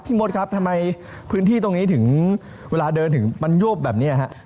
มดครับทำไมพื้นที่ตรงนี้ถึงเวลาเดินถึงมันโยบแบบนี้ฮะ